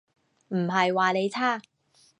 唔係話你差